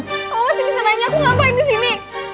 kamu masih bisa nanya aku ngapain disini